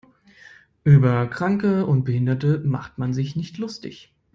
Über Kranke und Behinderte macht man sich nicht lustig.